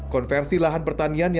konversi lahan pertanian